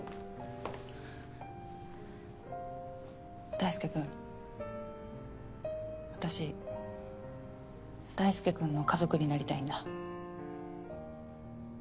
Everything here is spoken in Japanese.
大輔君私大輔君の家族になりたいんだ。